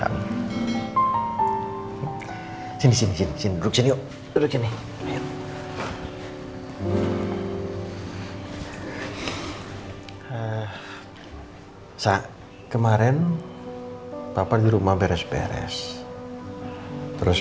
waalaikumsalam warahmatullahi wabarakatuh